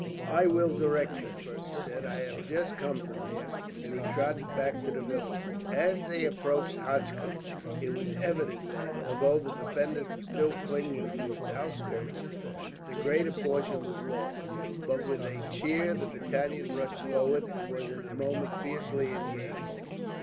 "I will direct you," Fergus said. "I have just come from there;" and he trotted back to the village. As they approached Hochkirch it was evident that, although the defenders were still clinging to its outskirts, the greater portion was lost; but with a cheer the battalion rushed forward, and was in a moment fiercely engaged.